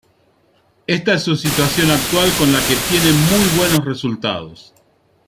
Esta es su situación actual con la que tiene muy buenos resultados.